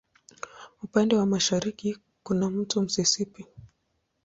Upande wa mashariki kuna wa Mto Mississippi.